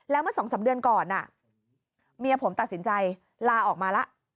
แล้วเมื่อสองสามเดือนก่อนเมียผมตัดสินใจลาออกมาแล้ว